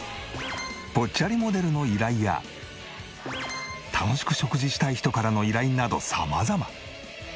ぽっちゃりモデルの依頼や楽しく食事したい人からの依頼など様々。